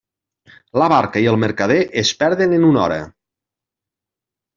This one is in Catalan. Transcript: La barca i el mercader es perden en una hora.